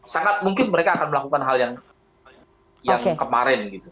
sangat mungkin mereka akan melakukan hal yang kemarin gitu